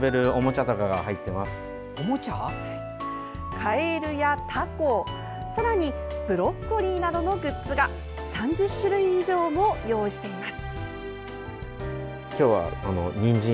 カエルやタコ、さらにブロッコリーなどのグッズが３０種類以上も用意しています。